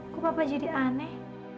kok papa jadi aneh